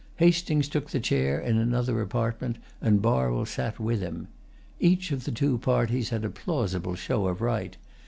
Hastings took the chair in another apartment, and Barwell sat with him. Each of the two parties had a plausible show of right.